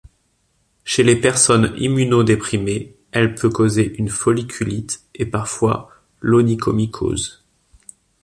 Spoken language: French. Chez les personnes immunodéprimées, elle peut causer une folliculite et parfois l'onychomycose.